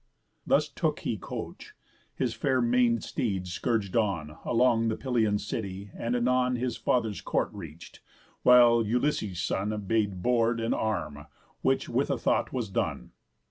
Thus took he coach, his fair man'd steeds scourg'd on Along the Pylian city, and anon His father's court reach'd; while Ulysses' son Bade board, and arm; which with a thought was done.